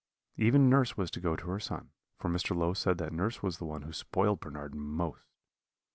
Even nurse was to go to her son, for Mr. Low said that nurse was the one who spoiled Bernard most.